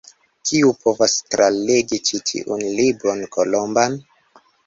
Kiu povas tralegi ĉi tiun Libron Kolomban?